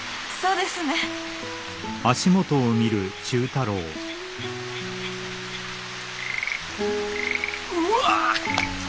うわ！